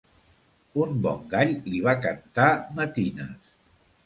Un bon gall li va cantar matines.